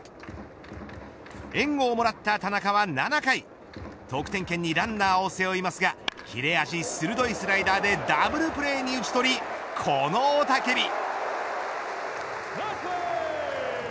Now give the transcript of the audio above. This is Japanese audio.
援護をもらった田中は７回得点圏にランナーを背負いますが切れ味鋭いスライダーでダブルプレーに打ち取りこの雄たけび。